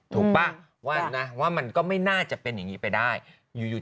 ป่ะว่านะว่ามันก็ไม่น่าจะเป็นอย่างนี้ไปได้อยู่อยู่